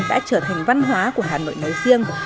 đã trở thành văn hóa của hà nội nói riêng